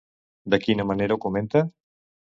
De quina manera ho comenta?